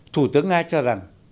thủ tướng nga cho rằng